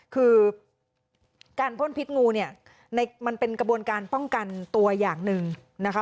คือการพ่นพิษงูเนี่ยมันเป็นกระบวนการป้องกันตัวอย่างหนึ่งนะคะ